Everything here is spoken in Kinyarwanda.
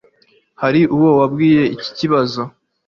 hari uwo wabwiye iki kibazo